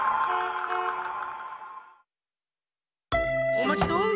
おまちどお！